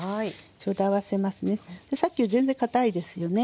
さっきより全然かたいですよね。